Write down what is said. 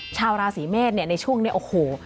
ชาวราศีเมษในช่วงนี้โอ้โห